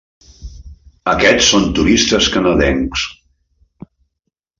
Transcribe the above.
Aquests són turistes canadencs.